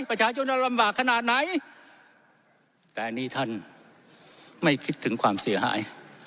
ประชาชนจะลำบากขนาดไหนแต่นี่ท่านไม่คิดถึงความเสียหาย